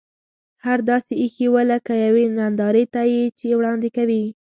هر څه داسې اېښي و لکه یوې نندارې ته یې چې وړاندې کوي.